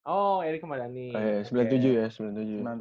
oh eric sama dany